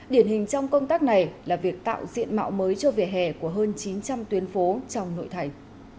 điển hình trong công tác này là việc tạo diện mạo mới cho vỉa hè của hơn chín trăm linh tuyến phố trong nội thành